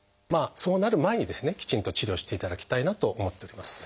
そうなる前にですねきちんと治療していただきたいなと思っております。